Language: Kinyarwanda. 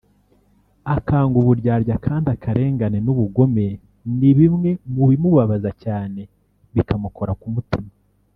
akanga uburyarya kandi akarengane n’ubugome ni bimwe mubimubabaza cyane bikamukora ku mutima